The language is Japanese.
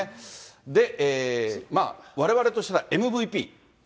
で、われわれとしてはＭＶＰ。